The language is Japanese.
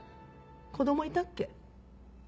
子供いたっけ？